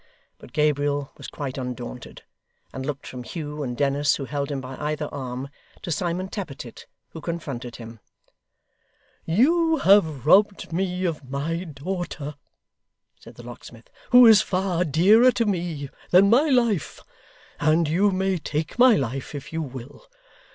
But Gabriel was quite undaunted, and looked from Hugh and Dennis, who held him by either arm, to Simon Tappertit, who confronted him. 'You have robbed me of my daughter,' said the locksmith, 'who is far dearer to me than my life; and you may take my life, if you will.